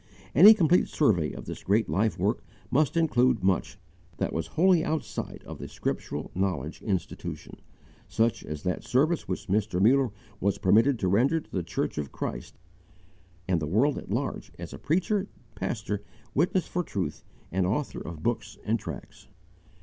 Any complete survey of this great life work must include much that was wholly outside of the Scriptural Knowledge Institution; such as that service which Mr. Muller was permitted to render to the church of Christ and the world at large as a preacher, pastor, witness for truth, and author of books and tracts.